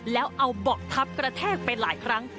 แล้วเอาเบาะทับกระแทกไปหลายครั้ง